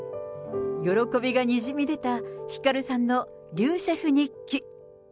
喜びがにじみ出たひかるさんの竜シェフ日記。